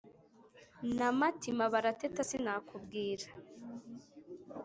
Na Matima barateta sinakubwira